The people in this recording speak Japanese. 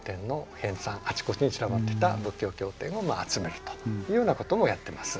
あちこちに散らばっていた仏教経典を集めるというようなこともやってます。